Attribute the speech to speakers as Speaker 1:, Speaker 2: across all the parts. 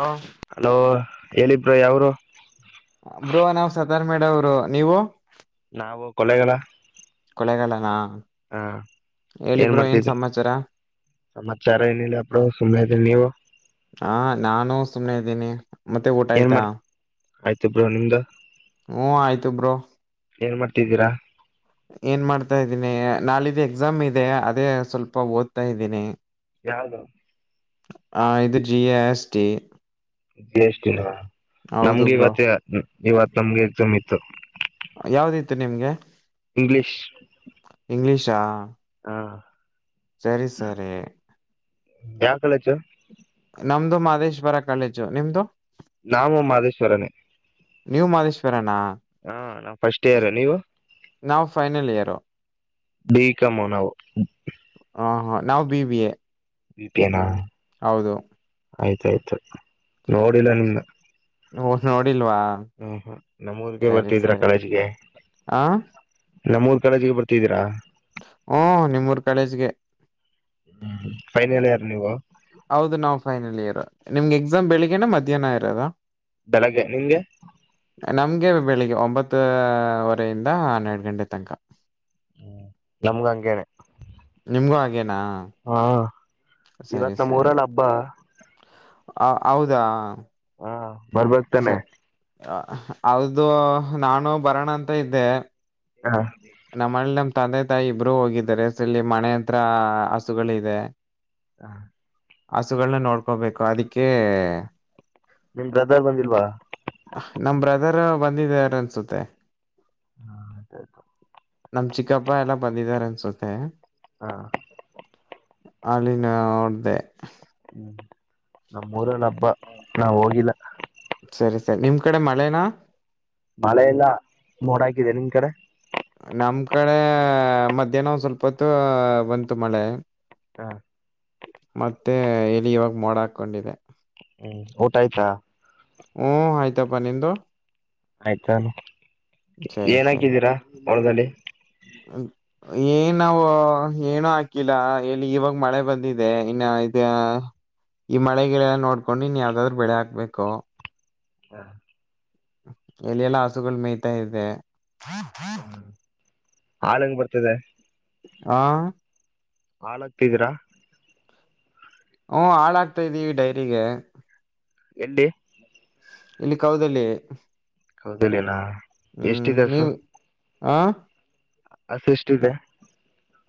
Speaker 1: ಹಾ
Speaker 2: ಅಲೋ ಹೇಳಿಬ್ರೋ ಯಾವುರು.
Speaker 1: ಬ್ರೋ ನಾವ್ ಸತಾರ್ ಮೇಡವರು ನೀವು.
Speaker 2: ನಾವು ಕೊಳ್ಳೇಗಾಲ.
Speaker 1: ಕೊಲೆಗಾಲನಾ ಹೇಳಿ ಬ್ರೋ ಏನ್ ಸಮಾಚಾರ.
Speaker 2: ಸಮಾಚಾರ ಏನಿಲ್ಲ ಬ್ರೋ ಸುಮ್ಮನೆ ಇದಿನ್ ನೀವು.
Speaker 1: ಹಾ ನಾನು ಸುಮ್ನೆ ಇದ್ದೀನಿ. ಮತ್ತೆ ಊಟ
Speaker 2: ಏನ್
Speaker 1: ಆಯ್ತಾ.
Speaker 2: ಮಾಡ್ ಆಯ್ತು ಬ್ರೋ ನಿಮ್ದು
Speaker 1: ಹ್ಮ ಆಯ್ತು ಬ್ರೋ.
Speaker 2: ಏನ್ ಮಾಡ್ತಿದ್ದೀರಾ.
Speaker 1: ಏನ್ ಮಾಡ್ತಾ ಇದೀನಿ ನಾಳಿದ್ದ ಎಕ್ಸಾಮ್ ಇದೆ ಅದೇ ಸ್ವಲ್ಪ ಓದ್ತಾ ಇದ್ದೀನಿ.
Speaker 2: ಯಾವ್ದು.
Speaker 1: ಆ ಇದು G A S T.
Speaker 2: G S T ನ
Speaker 1: ಹೌದು
Speaker 2: ನಮ್ಗೆ
Speaker 1: ಬ್ರೋ
Speaker 2: ಇವತ್ತ ಇವತ್ ನಮ್ಗೆ ಎಕ್ಸಾಮ್ ಇತ್ತು.
Speaker 1: ಯಾವ್ದಿತ್ತು ನಿಮ್ಗೆ.
Speaker 2: ಇಂಗ್ಲಿಷ್
Speaker 1: ಇಂಗ್ಲೀಷಾ
Speaker 2: ಹಾ
Speaker 1: ಸರಿ ಸರಿ
Speaker 2: ಯಾವ ಕಾಲೇಜು
Speaker 1: ನಮ್ದು ಮಾಹದೇಶ್ ವರ ಕಾಲೇಜು ನಿಮ್ದು
Speaker 2: ನಾವು ಮಾದೇಶ್ವರನೇ
Speaker 1: ನೀವು ಮಾದೇಶ್ವರನಾ್
Speaker 2: ಹಾ ನಾ ಫಸ್ಟ್ ಇಯರ್ ನೀವು
Speaker 1: ನಾವು ಫೈನಲ್ ಇಯರು
Speaker 2: ಬೀ ಕಾಮ್ ನಾವು
Speaker 1: ಹಾ ಹಾ ನಾವು ಬಿ ಬಿ ಎ
Speaker 2: ವಿಪನಾ
Speaker 1: ಹೌದು
Speaker 2: ಆಯ್ತಾಯ್ತು ನೋಡಿಲ್ಲ ನಿಮ್ನ
Speaker 1: ಹ ನೋಡಿಲ್ವಾ
Speaker 2: ಹಾ ಹಾ ನಮ್ಮೂರ್ಗೆ
Speaker 1: ಸರಿ
Speaker 2: ಬರ್ತಿದೀ್ರ
Speaker 1: ಸರಿ
Speaker 2: ಕಾಲೇಜ್ಗೆ
Speaker 1: ಆ
Speaker 2: ನಮ್ಮೂರ್ ಕಾಲೇಜಿಗೆ ಬರ್ತಿದ್ದೀರಾ
Speaker 1: ಹಓ ನಿಮ್ಮೂರ್ ಕಾಲೇಜ್ಗೆ
Speaker 2: ಹೂ ಫೈನಲ್ ಇಯರ್ ನೀವು
Speaker 1: ಹೌದು ನಾವು ಫೈನಲ್ ಇಯರ್ ನಿಮ್ಗೆ ಎಕ್ಸಾಮ್ ಬೆಳಿಗ್ಗೆನ ಮಧ್ಯಾಹ್ನ ಇರೋದ
Speaker 2: ಬೆಳಗ್ಗೆ ನಿಮ್ಗೆ
Speaker 1: ನಮ್ಗೆ ಬೆಳಿಗ್ಗೆ ಒಂಬತ್ತ ವರೆಯಿಂದ ಹನ್ನೆರಡು ಗಂಟೆ ತನಕ
Speaker 2: ಹ ನಮ್ಗೂ ಹಂಗೇನೆ
Speaker 1: ನಿಮ್ಗೂ ಹಾಗೇನಾ
Speaker 2: ಹಾ ಇವತ್ ನಮ್ಮ ಮೂರಲ್ಲ ಹಬ್ಬ
Speaker 1: ಹ ಹೌದಾ
Speaker 2: ಹಾ
Speaker 1: ಸರಿ ಅದು ನಾನು ಬರೋಣ ಅಂತ ಇದ್ದೆ
Speaker 2: ಹಾ
Speaker 1: ನಮ್ಮಲ್ಲಿಿ ನಮ್ ತಂದೆ ತಾಯಿ ಇಬ್ಬರುೂ ಹೋಗಿದ್ದಾರೆ ಸ ಇಲ್ಲಿ ಮನೆ ಹತ್ರ ಹಸುಗಳದೆ
Speaker 2: ಹಾ
Speaker 1: ಹಸುಗಳನ್ನ ನೋಡ್ಕೋಬೇಕು ಅದಕ್ಕೆ
Speaker 2: ನಿಮ್ ಬ್ರದರ್ ಬಂದಿಲ್ವಾ
Speaker 1: ನಮ್ ಬ್ರದರ್ ಬಂದಿದಾರ ಅನ್ಸುತ್ತೆ
Speaker 2: ಹಾ ಅತ
Speaker 1: ನಮ್ ಚಿಕ್ಕಪ್ಪ ಎಲ್ಲಾ ಬಂದಿದ್ದಾರೆ ಅನ್ಸುತ್ತೆ
Speaker 2: ಹಾ
Speaker 1: ಅಲ್ಲಿಿನ ನೋಡ್ದೆ
Speaker 2: ಹೂ ನಮ್ಮ ಊರಲ್ಲಿ ಹಬ್ಬ ನಾನ್ ಹೋಗಿಲ್ಲ
Speaker 1: ಸರಿ ಸರಿ ನಿಮ್ ಕಡೆ ಮಳೇನಾ
Speaker 2: ಮಳೆ ಇಲ್ಲ ಮೋಡಾಕಿದೆ ನಿಮ್ ಕಡೆ
Speaker 1: ನಮ್ಮ್ ಕಡೆ ಮಧ್ಯಾಹ್ನ ಸ್ವಲ್ಪ ಹೊತ್ತು ಬಂತು ಮಳೆ
Speaker 2: ಹಾ
Speaker 1: ಮತ್ತೆ ಇಲ್ಲಿ ಇವಾಗ ಮೋಡ ಹಾಕೊಂಡಿದೆ
Speaker 2: ಹೂ ಊಟ ಆಯ್ತಾ
Speaker 1: ಹೂ ಆಯ್ತಪ್ಪ ನಿಮ್ದು
Speaker 2: ಆಯ್ತಾನು
Speaker 1: ಸರಿ
Speaker 2: ಏನ ಹಾಕಿದ್ದೀರಾ ಹೊಲಾದಲ್ಲಿ
Speaker 1: ಹೂ ಏನ್ ನಾವು ಏನುೂ ಹಾಕಿಲ್ಲ ಇಲ್ಲಿ ಇವಾಗ ಮಳೆ ಬಂದಿದೆ ಇನ್ನ ಇ ಈ ಮಳೆ-ಗಿಳೆಲ್ಲ ನೋಡ್ಕೊಂಡು ನೀನ್ ಯಾವ್ದಾದ್ರು ಬೆಳೆ ಹಾಕ್ಬೇಕು.
Speaker 2: ಹಾ [inaudible]
Speaker 1: ಎಲೆಲ್ಲಾ ಹಸುಗಳು ಮೇಯ್ತಾ ಇದೆ.
Speaker 2: ಹ್ಮ ಹಾಳ ಹೆಂಗ ಬರ್ತದೆ.
Speaker 1: ಹಾ,
Speaker 2: ಹಾಳ್ತಿದ್ದೀರಾ [unintelligible]
Speaker 1: ಹ್ಮ್, ಹಾಲಕ್ತಾಇದೀವಿ ಡೈರಿಗೆ.
Speaker 2: ಎಲ್ಲಿ
Speaker 1: ಇಲ್ಲಿ ಕೌದಲ್ಲಿ [unintelligible]
Speaker 2: ಕೌದಲಿನ ಎಷ್ಟಿದೆ ಹಸು
Speaker 1: ಆಾ [inaudible]
Speaker 2: ಹಸು ಎಷ್ಟಿದೆ?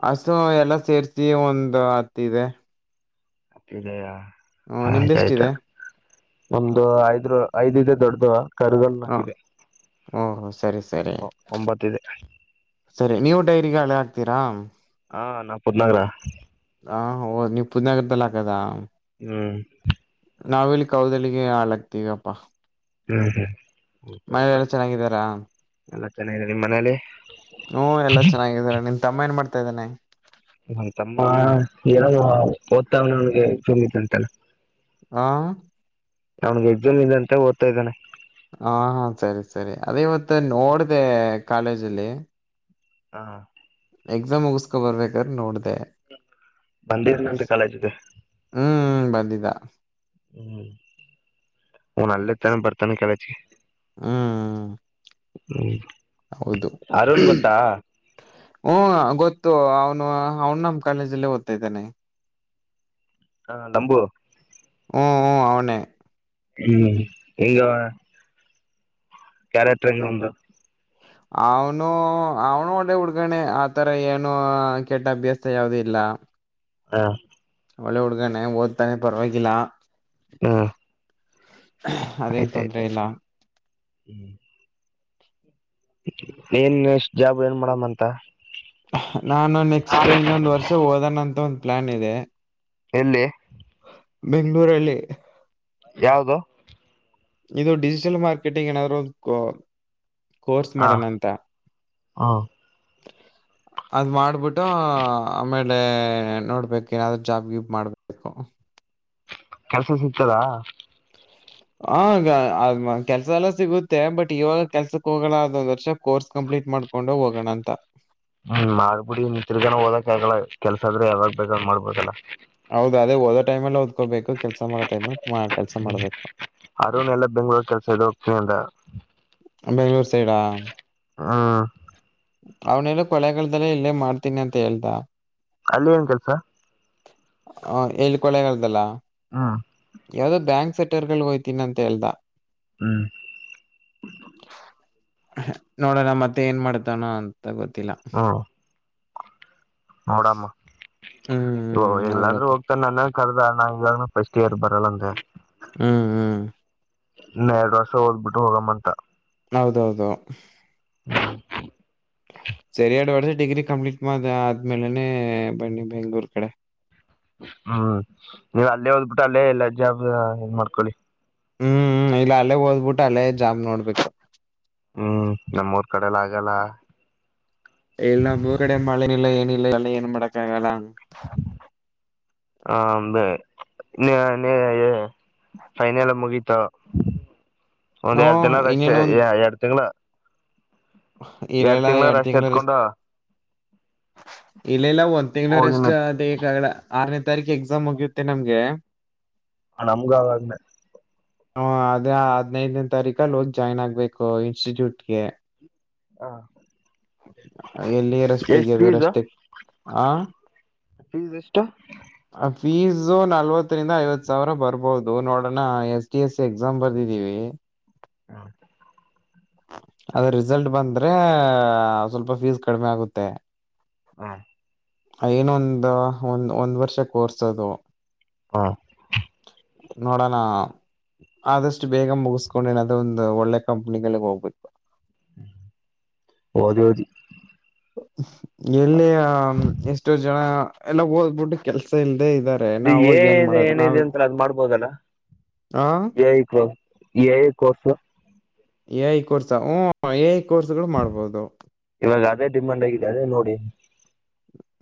Speaker 1: ಹಸು ಎಲ್ಲಾ ಸೇರ್ಸಿ ಒಂದು ಹತ್ತ ಇದೆ.
Speaker 2: ಮತ್ತ
Speaker 1: ಹ
Speaker 2: ಆಯ್ತ ಆಯ್ತಾ
Speaker 1: ನಿಮ್ದೆಷ್ಟಿದೆ
Speaker 2: [unintelligible] ಒಂದು ಐದ್ ಇದೆ ದೊಡ್ಡ್ದು. ಕರಗಳ
Speaker 1: ಹ
Speaker 2: ನಾಕಿದೆ
Speaker 1: ಓಹ ಸರಿ ಸರಿ
Speaker 2: ಒಂಬತ್ತಿದೆ.
Speaker 1: ಸರಿ ನೀವು ಡೈರಿಗೆಹಾಲ ಹಾಕ್ತೀರಾ.
Speaker 2: ಹ ನಾ ಪತ್ನಾಾಗರಾ [unintelligible]
Speaker 1: ಹಾ, ಹೋದ ನೀವ್ ಪೂ [unintelligible] ದನಗರದಲ್ಲಿ ಹಾಕದಾ
Speaker 2: ಹ್ಮ್,
Speaker 1: ನಾವಿಲ್ಲಿ ಕೌದಲಿಗೆ ಹಾಲಾಕ್ತೀವಪ್ಪಾ.
Speaker 2: ಹ್ಮ್, ಹ್ಮ್ತ
Speaker 1: ಎಲ್ಲ ಚೆನ್ನಾಗಿದ್ದಾರಾ
Speaker 2: ಎಲ್ಲಾ ಚೆನ್ನಾಗಿದೆ ನಿಮ್ಮ ಮನೇಲಿ.
Speaker 1: ಹ್ಮ್, ಎಲ್ಲಾ ಚೆನ್ನಾಗಿದ್ದಾರೆ. ನಿನ್ ತಮ್ಮ ಏನ್ ಮಾಡ್ತಾ ಇದಾನೆ.
Speaker 2: ನಮ್ತಮ್ಮ ಏನೋ ಓದ್ತಾವ ನಗೆ ಚುಮಿತ [unintelligible] ಅಂತೆಲ್ಲ
Speaker 1: ಹಾ,
Speaker 2: ಅವ್ನ್ಗೆ ಎಕ್ಸಾಮ್ ಇದೆಅಂತ ಓದ್ತಾ ಇದಾನೆ.
Speaker 1: ಹ ಹಾ, ಸರಿ, ಸರಿ ಅದೇ ಇವತ್ತು ನೋಡ್ದೆ ಕಾಲೇಜಲ್ಲಿ.
Speaker 2: ಹಾ,
Speaker 1: ಎಕ್ಸಾಮ್ ಮುಗಿಸಸ್ಕೊಂ ಬರ್ಬೇಕಾದ್ರೆ ನೋಡ್ದೆ.
Speaker 2: ಬಂದಿದ ನಂತ ಕಾಲೇಜಕ
Speaker 1: ಹ್ಮ್, ಬಂದಿದ್ದ
Speaker 2: ಹ್ಮ್, ಹನ್ ಅಲ್ಲ ತಾನ ಬರ್ತಾನೆ ಕಾಲೇಜಿಗಿ
Speaker 1: ಹ್ಮ್,
Speaker 2: ಹ್ಮ್,
Speaker 1: ಹೌದು.
Speaker 2: ಅರುಣ್ ಗೊತ್ತಾ
Speaker 1: ಹ್ಮ್, ಗೊತ್ತು ಅವನು -ಅವನು ನಮ್ ಕಾಲೇಜಲ್ಲಿ ಓದ್ತಾಇದ್ದಾನೆ.
Speaker 2: ಹಾ, ನಂಬು
Speaker 1: ಹ್ಮ್, ಹ್ಮ್ ಅವನೇ
Speaker 2: ಹ್ಮ್, ಈಗ ಕ್ಯಾರೆಕ್ಟರ್ಗ ಇವಂದು.
Speaker 1: ಅವನು ಅವನು ಒಳ್ಳೆ ಹುಡ್ಗಿನೆಆತರ ಏನು ಕೆಟ್ಟ ಅಭ್ಯಾಸ ಯಾವ್ದ ಇಲ್ಲ.
Speaker 2: ಹಾ,
Speaker 1: ಒಳ್ಳೆ ಹುಡ್ಗಾನೆ ಓದತಾನೆ ಪರವಾಗಿಲ್ಲ.
Speaker 2: ಹ್ಮ್,
Speaker 1: ಅದೇನು
Speaker 2: ಆಯ್ತಾಯ್ತು
Speaker 1: ತೊಂದ್ರರೆ ಇಲ್ಲಾ.
Speaker 2: ಹ್ಮ್- ಏನ್ ಎಷ್ಟ್ ಜಾಬ್ ಏನ್ ಮಾಡಮಂತ.
Speaker 1: ನಾನು ನೆಕ್ಸ್ಟ್ ಇನ್ನೊಂದ್ ವರ್ಷ ಓದನಂತ ಒಂದ್ ಪ್ಲಾನ್ ಇದೆ.
Speaker 2: ಎಲ್ಲಿ.
Speaker 1: ಬೆಂ್ಗಳೂರಲ್ಲಿ.
Speaker 2: ಯಾವುದು.
Speaker 1: ಇದು ಡಿಜಿಟಲ್ ಮಾರ್ಕೆಟಿಂಗ್ ಏನಾದ್ರು ಒಂದು. ಕೋರ್ಸ್
Speaker 2: ಹ
Speaker 1: ಮಾಡೋಣಂತ.
Speaker 2: ಹ್ಮ [inaudible]
Speaker 1: ಅದು ಮಾಡ್ಬಿಟ್ಟು ಆಮೇಲೆ ನೋಡ್ಬೇಕು ಏನಾದರುೂ ಜಾಬ್ ಗಿಬ್ ಮಾಡಬೇಕು.
Speaker 2: ಕೆಲ್ಸ ಸಿಗ್ತದಾ.
Speaker 1: ಹಗ ಅ್ಮ ಕೆಲ್ಸ ಎಲ್ಲ ಸಿಗುತ್ತೆ ಬಟ್ ಇವಾಗ ಕೆಲ್ಸಕ್ ಹೋಗಲ್ಲ ಅದೊಂದ್ ವರ್ಷ ಕೋರ್ಸ್ ಕಂಪ್ಲೀಟ್ ಮಾಡ್. ಕೊಂಡು ಹೋಗೋಣ ಅಂತ.
Speaker 2: ಹ್ಮ್ ಮಾಡ್ಬಿಡಿ ನಿ ತಿರುಗಾನ ಹೋದಕ್ ಆಗಲ್ಲ ಕೆಲ್ಸ ಆದ್ರೆ ಯಾವಾಗ ಬೇಕ್ ಮಾಡ್ಬಲ್ಲ.
Speaker 1: ಹೌದ ಅದೇ ಓದ ಟೈಮಲ್ಲಿದಕೋಬೇಕ ಕೆಲಸ ಮಾಡೋ ಟೈಮಲ್ಲಿ. ಕೆಲ್ಸ
Speaker 2: ಹ್ಮ್
Speaker 1: ಮಾಡ್ಬೇಕು
Speaker 2: ಅರ್ ಎಲ್ಲ ಬೆಂಗ್ಳೂರ್ ಕೆಲ್ಸ ಇದ ಹೋಗ್ತೀನ ಅಂತ.
Speaker 1: ಬೆಂ್ಗಳೂರು ಸೈಡಾ.
Speaker 2: ಹ.
Speaker 1: ಅವ್ನಲ್ಲ ಕೊಳೆಗಳ್ದಲ್ಲ ಇಲ್ಲೇ ಮಾಡ್ತೀನಿ ಅಂತ ಹೇಳ್ತಾ.
Speaker 2: ಅಲ್ಲಿ ಏನ್ ಕೆಲ್ಸ.
Speaker 1: ಹ ಎಲ್ಲಿ ಕೊೊಳ್ಳೆಗ್ದಲ್ಲಾ.
Speaker 2: ಹಾ-
Speaker 1: ಯಾವ್ದೋ ಬ್ಯಾಂಕ್ ಸೆಟರ್ ಗಳು ಹಯ್ತೀನಿ ಅಂತ ಹೇಳ್ದಾ.
Speaker 2: ಹ್ಮ್-
Speaker 1: ನೋಡೋಣ ಮತ್ತೆ ಏನ್ ಮಾಡ್ತಾನ ಅಂತ ಗೊತ್ತಿಲ್ಲ.
Speaker 2: ಹ್ಮ್ ನೋಡಮ್ಮ
Speaker 1: ಹ್ಮ್
Speaker 2: ಎಲ್ಲಾದ್ರೂ.
Speaker 1: ಹೌದಪ್ಪಾ
Speaker 2: ನನ್ನ ಕರ್ದ ನಾ ಈವಾಗ್ ಫಸ್ಟ್ ಇಯರ್ ಬರಲ್ಲ ಅಂದ.
Speaker 1: ಹ್ಮ್ ಹ್ಮ್-
Speaker 2: ಇನ್ನೆ ಎರಡು ವರ್ಷ ಓದ್ಬ ಬಿಟ್ಟು ಹೋಗಮ್ಮ ಅಂತ.
Speaker 1: ಹೌದೌದು. ಸರಿಯಡು [inaudible] ಡಿಗ್ರಿ ಕಂಪ್ಲೀಟ್ ಮಾಡ ಆದ್ಮೇಲೆನೆ ಬನ್ನಿ ಬೆಂಗಳೂರ್ ಕಡೆ.
Speaker 2: ಹ್ಮ್ ನೀವ್ ಅಲ್ಲೇ ಹೋದ್ಬಿಟ್ಟು ಅಲ್ಲೇ ಎಲ್ಲ ಜಾಬ್ ನ್ ಮಾಡ್ಕೊಳ್ಳಿ.
Speaker 1: ಹ್ಮ್ ಇಲ್ಲ ಅಲ್ಲೇ ಓದ್ಬಿಟ್ಟು ಅಲ್ಲೇ ಜಾಬ್ ನೋಡ್ಬೇಕು.
Speaker 2: ಹ್ಮ್ ನಮ್ಮೂರ್ ಕಡೆಲ್ಲ ಆಗಲ್ಲ.
Speaker 1: ಎಲ್ ಮುನ್ನೂರ ಕಡೆ ಮಳೆನಲ್ಲ ಏನಿಲ್ಲ ಎಲ್ಲ ಏನ್ ಮಾಡಕ್ ಆಗಲ್ಲ.
Speaker 2: ಹ ನೀ. ಫೈನಲ್ ಮುಗೀಿತಾವ ಒಂದ್
Speaker 1: ಹ್ಮ
Speaker 2: ಎರಡ್ ದಿನದಷ್ಟೇ
Speaker 1: ಇನ್ನೇನು ಒಂದ್
Speaker 2: ಎರಡ್ ತಿಂಗಗಳ. ಎರಡ್
Speaker 1: ಇಲ್ಲೆಲ್ಲ
Speaker 2: ತಿಂಗ್ಗಳು ರಷ್ಟಟ್ ಎತ್ಕೊಂಡು.
Speaker 1: ಇಲ್ಲ ಇಲ್ಲ ಒಂದ್
Speaker 2: ಹೋಗಿನ
Speaker 1: ತಿಂಗಳೂರಷ್ಟು ಅದೇಾಗಲ ಆರನೇ ತಾರೀಕು ಎಕ್ಸಾಮ್ ಹೋಗ್ಯುತ್ತೆ ನಮ್ಗೆ.
Speaker 2: ಹ ನಮ್ನ್ನೆ.
Speaker 1: ಹ ಅದೇ ಹದ್ೈದನೇ ತಾರೀಕಲ್ಲಿ ಹೋಗ್ ಜಾಯ್ನ್ ಆಗ್ಬೇಕು ಇನ್ಸ್ಟಿಟ್ಯೂಟ್ಗೆ.
Speaker 2: ಹ
Speaker 1: ಎಲ್ಲಿ ರಸ್ತೆಗೆ
Speaker 2: ಎಷ್ಟ್
Speaker 1: ಅದು
Speaker 2: ಫೀಸ್
Speaker 1: ರಸ್ತೆ ಹ.
Speaker 2: ಫೀಸ್ ಎಷ್ಟ.
Speaker 1: ಫೀಸ್ು ನಲ್ವತ್ತರಿಂದ ಐವತ್ ಸಾವಿರ ಬರ್ಬೋದು ನೋಡೋಣ ಎಸ್. ಟಿ ಎಸ್ ಎಕ್ಸಾಮ್ ಬರ್ದಿದ್ದೀವಿ.
Speaker 2: ಹಾ.
Speaker 1: ಅದ್ರ ರಿಸಲ್ಟ್ ಬಂದ್ರೆ ಸ್ವಲ್ಪ ಫೀಸ್ ಕಡಿಮೆ ಆಗುತ್ತೆ.
Speaker 2: ಹಾ.
Speaker 1: ಅ ಇನೊಂದು ಒಂದು ಒಂದ್ ವರ್ಷ ಕೋರ್ಸ್ ಅದು.
Speaker 2: ಹಾ.
Speaker 1: ನೋಡೋಣ ಆದಷ್ಟು ಬೇಗ ಮುಗಸಕೊಂಡು ಏನಾದ್ ಒಂದು ಒಳ್ಳೆ ಕಂಪ್ನಿಗಳಗ್ ಹೋಗ್ಬೇಕು.
Speaker 2: ಓದಿ, ಓದಿ
Speaker 1: ಎಲ್ಲಿಯ ಎಷ್ಟೋ ಜನ ಎಲ್ಲ ಓದ್ಬಿಟ್ಟು ಕೆಲ್ಸ ಇಲ್ದೆೇ ಇದ್ದಾ
Speaker 2: ಇದು ಎ ಐದ ಏನ ಇದೆ ಅಂತಲ್ಲಾ ಅದ ಮಾಡ್ಬೋದಲ್ಲ.
Speaker 1: ಆ
Speaker 2: A I [unintelligible] A I course.
Speaker 1: A I course ಹ್ ಎ ಐ ಕೋರ್ಸ್ಗಳು ಮಾಡ್ಬೋದು.
Speaker 2: ಇವಾಗ ಅದೇ ಡಿಮಾಂಡ್ ಆಗಿದೆ ಅದೇ ನೋಡಿ.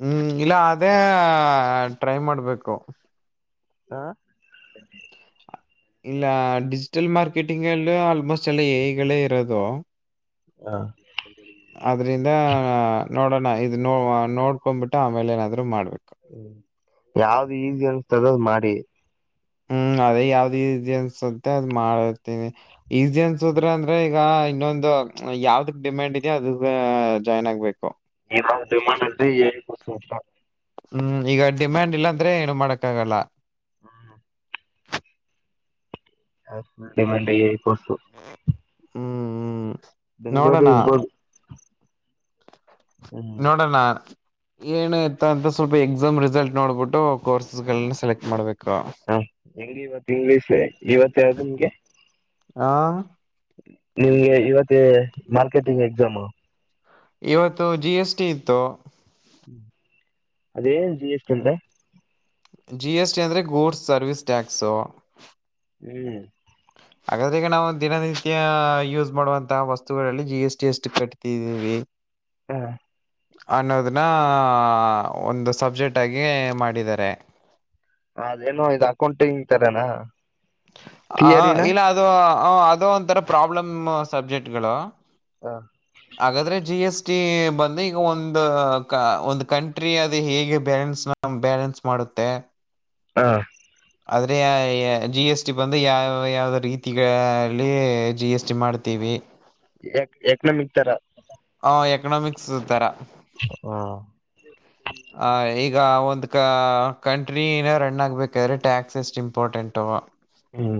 Speaker 1: ಹ್ಮ್ ಇಲ್ಲ ಅದೇ ಟ್ರೈ ಮಾಡ್ಬೇಕು.
Speaker 2: ಹಾ.
Speaker 1: ಇಲ್ಲ ಡಿಜಿಟಲ್ ಮಾರ್ಕೆಟಿಂಗ್ ಅಲ್ಲಿ ಆಲ್ಮೋಸ್ಟ್ ಅಲ್ಲಿ ಎಐಗಳೇ ಇರೋದು.
Speaker 2: ಹಾ.
Speaker 1: ಅದ್ರಿಂದ ನೋಡೋಣ ಇದು ನೋ ನೋಡ್ಕೊಂಬಿಟ್ಟು ಆಮೇಲೆ ಏನಾದ್ರು ಮಾಡ್ಬೇಕು.
Speaker 2: ಹ್ಮ ಯಾವ್ದು ಈಸಿ ಅನ್ತದೋ ಅದು ಮಾಡಿ.
Speaker 1: ಹ್ಮ್ ಅದೇ ಯಾವ್ದು ಈಜಿ ಅನ್ಸುತ್ತೆ ಅದ್ ಮಾಡತೀನಿ. ಈಸಿ ಅನ್ಸುದ್ರ ಅಂದ್ರೆ ಈಗ ಇನ್ನೊಂದು ಯಾವ್ದಕ್ ಡಿಮ್ಯಾಂಡ್ ಇದೇ ಅದಕ ಜಾಯ್ನ್ ಆಗ್ಬೇಕು.
Speaker 2: ಇವ್ಗ ಡಿಮಾಂಡ್ [unintelligible]
Speaker 1: ಹ್ಮ್ ಈಗ ಡಿಮ್ಯಾಂಡ್ ಇಲ್ಲಾಂದ್ರೆ ಏನು ಮಾಡಕ್ಕಾಗಲ್ಲ.
Speaker 2: ಹ್ಮ. ಡಿಮ್ಯಾಂಡ್ ಹೇ ಕೋರ್ಸು.
Speaker 1: ಹ್ಮ್ ಹ್ಮ್
Speaker 2: ಬೆಂಗ್ಗಳೂರು
Speaker 1: ನೋಡೋಣ
Speaker 2: ಇರ್ಬೋದು. ಹ್ಮ್
Speaker 1: ನೋಡೋಣ. ಏನಯ್ತ ಅಂತ ಸ್ವಲ್ಪ ಎಕ್ಸಾಮ್ ರಿಸಲ್ಟ್ ನೋಡ್ಬಿಟ್ಟು ಕೋರ್ಸಸ್ಗಳನ್ನ ಸೆಲೆಕ್ಟ್ ಮಾಡ್ಬೇಕ.
Speaker 2: [unintelligible] ಇಂಗ್ಲೀಷ ಇವತ್ತ ಯಾವ್ದು ನಿಮ್ಗೆ.
Speaker 1: ಆ
Speaker 2: ನಿಮ್ಗೆ ಇವತ್ತೆ ಮಾರ್ಕೆಟಿಂಗ್ ಎಕ್ಸಾಮು.
Speaker 1: ಇವತ್ತು ಜಿ ಎಸ್ ಟಿ ಇತ್ತು.
Speaker 2: ಹ್ಮ್ ಅದೇನ್ ಜಿ ಎಸ್ ಟಿ ಅಂದ್ರೆ.
Speaker 1: ಜಿ ಎಸ್ ಟಿ ಅಂದ್ರೆ ಗೂಡ್ಸ್ ಸರ್ವಿಸ್ ಟ್ಯಾಕ್ಸ್.
Speaker 2: ಹ್ಮ್.
Speaker 1: ಹಾಗಾದ್ರೆ ಈಗ್ ನಾವು ದಿನನಿತ್ಯ ಯೂಸ್ ಮಾಡುವಂತ ವಸ್ತುಗಳಲ್ಲಿ ಜಿ ಎಸ್ ಟಿ ಎಷ್ಟು ಕಟ್ಟತಿದ್ದೀವಿ,
Speaker 2: ಹಾ.
Speaker 1: ಅನ್ನೋದನ್ನ ಒಂದು ಸಬ್ಜೆಕ್ಟಾಗಿ ಮಾಡಿದ್ದಾರೆ.
Speaker 2: ಅದೇನೋ ಇದು ಅಕೌಂಟಿಂಗ ತರನಾ.
Speaker 1: ಹ
Speaker 2: ಥಿಯರಿನ
Speaker 1: ಇಲ್ಲ ಅದು ಅದು ಒಂಥರ ಪ್ರಾಬ್ಲಮ್ ಸಬ್ಜೆಕ್ಟ್ಗಳು.
Speaker 2: ಹಾ.
Speaker 1: ಹಾಗಾದ್ರೆ ಜಿ ಎಸ್ ಟಿ ಬಂದ್ಲಿ ಈಗ ಒಂದ ಕ ಒಂದ ಕಂಟ್ರಿ ಅದು ಹೇಗೆ ಬ್ಯಾನ್ಸ್ ನಮ್ ಬ್ಯಾಲೆನ್ಸ್ ಮಾಡತ್ತೆ.
Speaker 2: ಹಾ..
Speaker 1: ಆದರೆ ಜಿ ಎಸ್ ಟಿ ಬಂದು ಯಾವ ಯಾವ್ದ ರೀತಿಗಳಲ್ಲಿ ಜಿ ಎಸ್ ಟಿ ಮಾಡ್ತೀವಿ.
Speaker 2: ಯಕ್ ಯಕ್ ಎಕ್ನಮಿಕ್ ತರ.
Speaker 1: ಹ ಎಕನಾಮಿಕ್ಸ್ ತರಾ.
Speaker 2: ಹಾ..
Speaker 1: ಆ ಈಗ ಒಂದ್ ಕಂಟ್ರಿನ ರನ್ ಆಗ್ಬೇಕಾದ್ರೆ ಟ್ಯಾಕ್ಸ್ ಎಷ್ಟು ಇಂಪಾರ್ಟೆಂಟ್. [unintelligible]
Speaker 2: ಹ್ಮ್..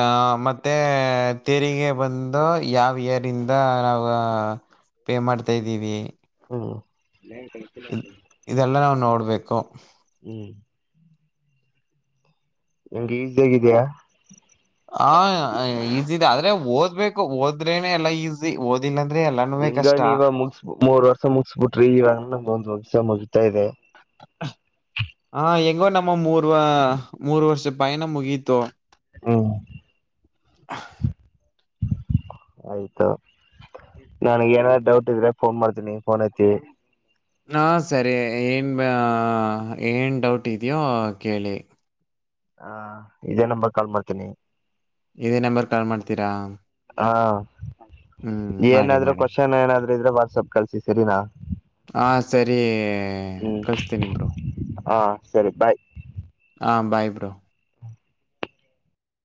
Speaker 1: ಆ ಮತ್ತೆ ತೆರಿಗೆ ಬಂದು ಯಾವ ಏರಿಂದ ನಾವು. ಪೇ ಮಾಡ್ತಾ ಇದ್ದೀವಿ
Speaker 2: ಹ್ಮ
Speaker 1: ಇ ಇದೆಲ್ಲ ನಾವು ನೋಡ್ಬೇಕು
Speaker 2: ಹ್ಮ್ ಹಂಗೆ ಈಜಿ ಆಗಿದಯಾ
Speaker 1: ಹ ಈಜಿ ಇದೆ ಆದ್ರೆ ಓದ್ಬೇಕು ಓದ್ರೇನೆ ಎಲ್ಲಾ ಈಜಿ ಓದಿಲ್ಲ ಅಂದ್ರೆ ಎಲ್ಲಾನು ವೇ ಕಷ್ಟಾ
Speaker 2: ಮುಕ್ಸ್ ಮೂರ್ ವರ್ಷ ಅದು ಮುಗಿಸ್ಬಿಟ್ರಿ ಇವಾಗ ಇನ್ನ ಒಂದು ಸೆಮ್ ಮುಗತಾ ಇದೆ.
Speaker 1: ಹ ಹೆಂಗೋ ನಮ್ಮ ಮೂರ್ ಮೂರ್ ವರ್ಷ ಪಯನ ಮುಗೀತು.
Speaker 2: ಹುಂ ಆಯ್ತು ನನ್ಗ್ ಏನರ ಡೌಟ್ ಇದ್ರೆ ಫೋನ್ ಮಾಡ್ತೀನಿ ಫೋನ್ ಎತ್ತಿ.
Speaker 1: ಹಾ ಸರಿ ಏನು ಏನು ಡೌಟ್ ಇದೆಯೋ ಕೇಳಿ.
Speaker 2: ಹ ಇದೇ ನಂಬರ್ ಕಾಲ್ ಮಾಡ್ತೀನಿ.
Speaker 1: ಇದೇ ನಂಬರ್ ಕಾಲ್ ಮಾಡ್ತೀರಾ.
Speaker 2: ಹಾ
Speaker 1: ಹ್ಮ್ ಮಾಡಿ
Speaker 2: ಏನಾದ್ರು
Speaker 1: ಮಾಡಿ
Speaker 2: ಕೋಶ್ನ್ ಏನಾದ್ರು ಇದ್ರೆ ವಾಟ್ಸಪ್ ಕಳ್ಸಿ ಸರಿನಾ.
Speaker 1: ಹಾ ಸರಿ
Speaker 2: ಹ್ಮ್
Speaker 1: ಕಳ್ಸ್ತಿನಿ ಬ್ರೋ.
Speaker 2: ಹಾ ಸರಿ ಬಾಯ್.
Speaker 1: ಹಾ ಬಾಯ್ ಬ್ರೋ